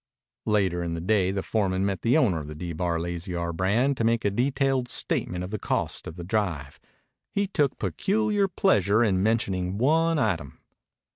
Later in the day the foreman met the owner of the D Bar Lazy R brand to make a detailed statement of the cost of the drive. He took peculiar pleasure in mentioning one item.